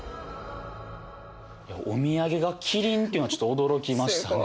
お土産がキリンっていうのはちょっと驚きましたね。